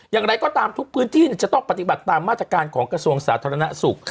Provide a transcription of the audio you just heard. อย่างไรก็ตามทุกพื้นที่จะต้องปฏิบัติตามมาตรการของกระทรวงสาธารณสุข